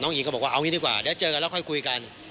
หญิงก็บอกว่าเอางี้ดีกว่าเดี๋ยวเจอกันแล้วค่อยคุยกัน